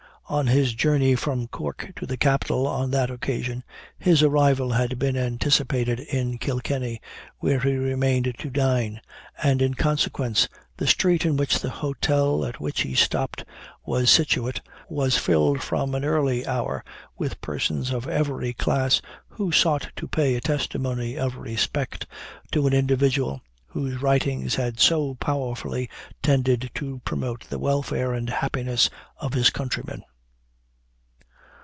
On his journey from Cork to the Capital on that occasion, his arrival had been anticipated in Kilkenny, where he remained to dine; and in consequence, the street in which the hotel at which he stopped was situate, was filled from an early hour with persons of every class, who sought to pay a testimony of respect to an individual, whose writings had so powerfully tended to promote the welfare and happiness of his countrymen."